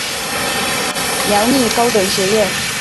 苗栗高等学校